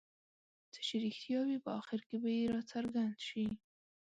څه چې رښتیا وي په اخر کې به یې راڅرګند شي.